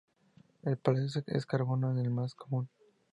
El paladio en carbono es el más común.